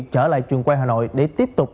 trở lại trường quay hà nội để tiếp tục